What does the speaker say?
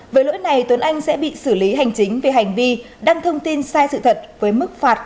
với lỗi này tuấn anh sẽ bị xử lý hành chính về hành vi đăng thông tin sai sự thật với mức phạt